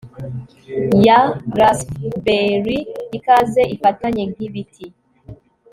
Ya raspberries ikaze ifatanye nkibiti